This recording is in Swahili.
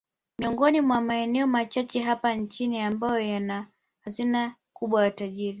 Miongoni mwa maeneo machache hapa nchini ambayo yana hazina kubwa ya utajiri